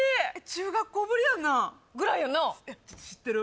中学校ぶりやんなぐらいやんな知ってる？